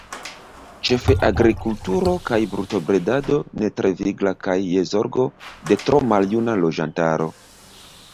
Ĉefe agrikulturo kaj brutobredado ne tre vigla kaj je zorgo de tro maljuna loĝantaro.